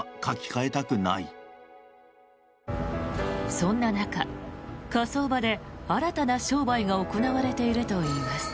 そんな中、火葬場で新たな商売が行われているといいます。